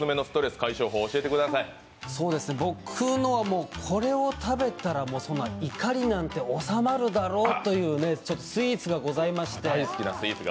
僕のはもうこれを食べたたら怒りなんて収まるだろうというスイーツがございまして。